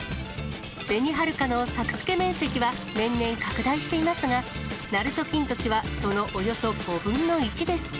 べにはるかの作付面積は年々拡大していますが、なると金時はそのおよそ５分の１です。